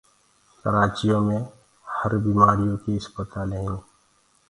ڪرآچيو مي هر بيمآريو ڪيٚ آسپتآلينٚ هينٚ